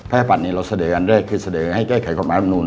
พระอับบัดนี้เราเสดอกันด้วยคือเสดอให้แก้ไขความนานละหนุน